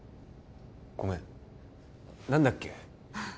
ごめん何だっけ？